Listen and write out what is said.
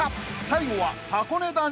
最後は］